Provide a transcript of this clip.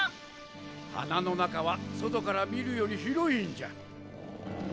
鼻の中は外から見るより広いんじゃ。